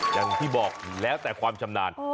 อย่างที่บอกแล้วแต่ความชำนาญ